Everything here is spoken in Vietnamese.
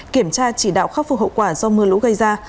kiểm tra chỉ đạo khắc phục hậu quả do mưa lũ gây ra